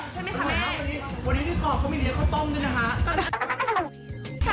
สวัสดีครับคุณผู้ชมครับ